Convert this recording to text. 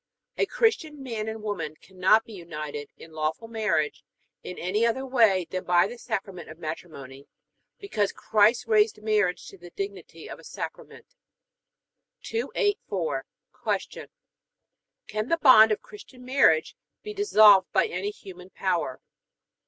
A Christian man and woman cannot be united in lawful marriage in any other way than by the Sacrament of Matrimony, because Christ raised marriage to the dignity of a Sacrament. 284. Q. Can the bond of Christian marriage be dissolved by any human power?